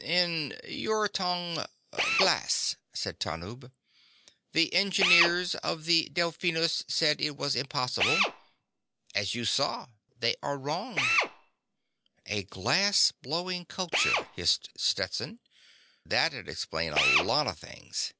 "In your tongue—glass," said Tanub. "The engineers of the Delphinus said it was impossible. As you saw—they are wrong." "A glass blowing culture," hissed Stetson. _"That'd explain a lot of things."